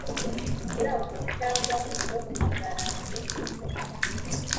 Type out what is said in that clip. nyirabwo cyangwa umuhagarariye nk uko aba